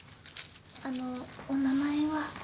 あのお名前は？